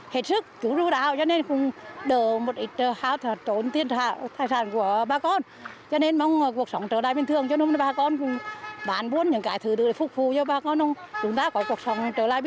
hết sức chú rưu đạo nhân nhân